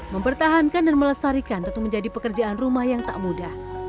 mempertahankan dan melestarikan tentu menjadi pekerjaan rumah yang tak mudah